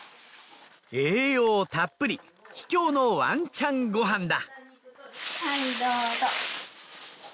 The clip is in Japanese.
栄養たっぷり秘境のワンちゃんご飯だ。